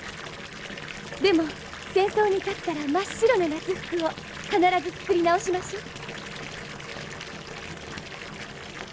でも戦争に勝ったら真っ白な夏服を必ず作り直しましょう。